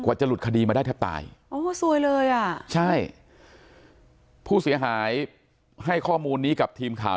จะหลุดคดีมาได้แทบตายโอ้ซวยเลยอ่ะใช่ผู้เสียหายให้ข้อมูลนี้กับทีมข่าว